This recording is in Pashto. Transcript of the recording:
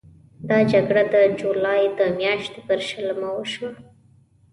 دا جګړه د جولای د میاشتې پر شلمه وشوه.